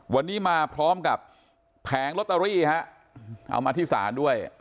วันนี้มาพร้อมกับแผงลอตเตอรี่ฮะเอามาที่ศาลด้วย